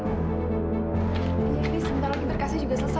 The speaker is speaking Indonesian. d p sebentar lagi berkasih juga selesai kok pak